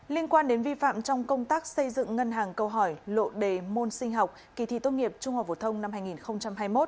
liên quan đến vi phạm trong công tác xây dựng ngân hàng câu hỏi lộ đề môn sinh học kỳ thi tốt nghiệp trung học phổ thông năm hai nghìn hai mươi một